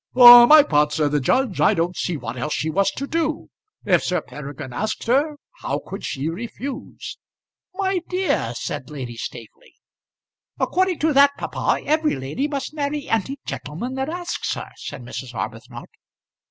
"For my part," said the judge, "I don't see what else she was to do. If Sir Peregrine asked her, how could she refuse?" "My dear!" said Lady Staveley. "According to that, papa, every lady must marry any gentleman that asks her," said Mrs. Arbuthnot.